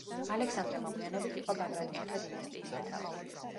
ალექსანდრე მოგვიანებით იყო ბაგრატიონთა დინასტიის მეთაური.